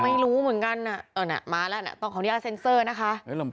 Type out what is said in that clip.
ไม่รู้เหมือนกันมาแล้วต้องขออนุญาตเซ็นเซอร์นะคะ